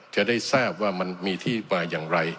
จะได้ทราบว่ามันมีที่มาอย่างไร